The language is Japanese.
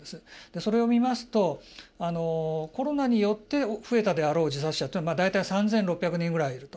それを見ますとコロナによって増えたであろう自殺者というのは大体３６００人ぐらいいると。